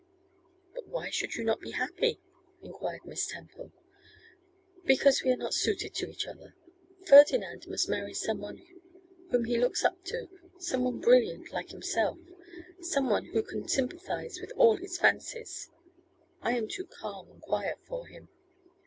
'But why should you not be happy?' enquired Miss Temple. 'Because we are not suited to each other. Ferdinand must marry some one whom he looks up to, somebody brilliant like himself, some one who can sympathise with all his fancies. I am too calm and quiet for him.